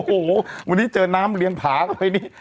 โอ้โหวันนี้เจอน้ำเลี้ยงผาเข้าไปนี่